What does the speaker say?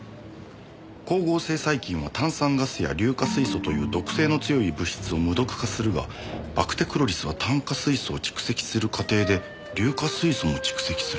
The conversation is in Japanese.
「光合成細菌は炭酸ガスや硫化水素という毒性の強い物質を無毒化するがバクテクロリスは炭化水素を蓄積する過程で硫化水素も蓄積する」